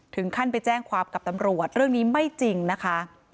ถึงขั้นไปแจ้งความกับตำรวจเรื่องนี้ไม่จริงนะคะ